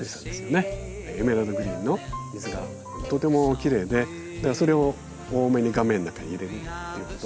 エメラルドグリーンの水がとてもきれいでそれを多めに画面の中に入れるっていうこと。